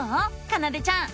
かなでちゃん。